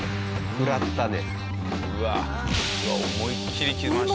食らったね。